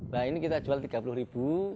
nah ini kita jual rp tiga puluh ribu